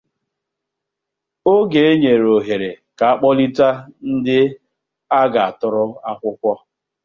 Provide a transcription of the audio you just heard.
oge e nyere ohere ka a kpọlite ndị a ga-atụrụ akwụkwọ